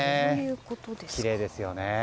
きれいですよね。